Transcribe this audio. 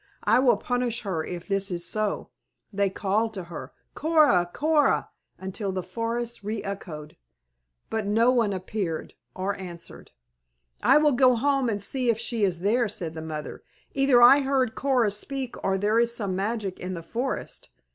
I will punish her if this is so." They called to her, "Coora, Coora!" until the forest reëchoed. But no one appeared or answered. "I will go home and see if she is there," said the mother. "Either I heard Coora speak or there is some magic in the forest."